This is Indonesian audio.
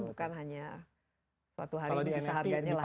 bukan hanya suatu hari bisa harganya laku